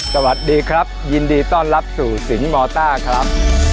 สวัสดีครับยินดีต้อนรับสู่สินมอต้าครับ